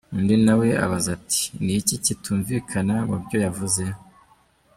Undi nawe abaza ati: "Ni iki kitumvikana mubyo yavuze?".